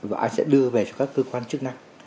và anh sẽ đưa về cho các cơ quan chức năng